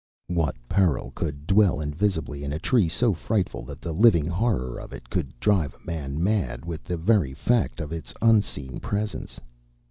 What peril could dwell invisibly in a tree so frightful that the living horror of it could drive a man mad with the very fact of its unseen presence?